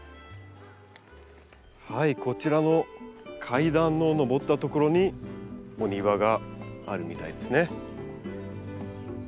はいこちらの階段を上った所にお庭があるみたいですね。